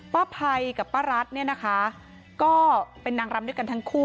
ภัยกับป้ารัฐเนี่ยนะคะก็เป็นนางรำด้วยกันทั้งคู่